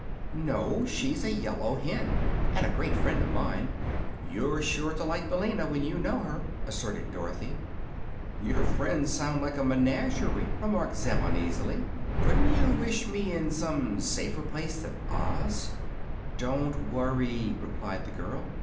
"No; she's a yellow hen, and a great friend of mine. You're sure to like Billina, when you know her," asserted Dorothy. "Your friends sound like a menagerie," remarked Zeb, uneasily. "Couldn't you wish me in some safer place than Oz." "Don't worry," replied the girl.